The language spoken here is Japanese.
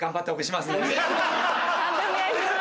判定お願いします。